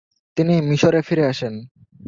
তিনি মিশরে ফিরে আসেন।